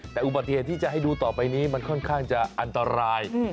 แต่อุบัติเหตุที่จะให้ดูต่อไปนี้มันค่อนข้างจะอันตราย